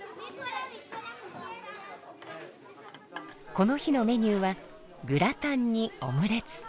この日のメニューはグラタンにオムレツ。